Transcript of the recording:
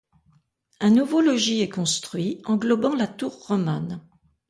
Un nouveau logis est construit englobant la tour romane.